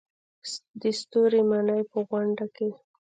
د ستوري ماڼۍ په غونډه کې.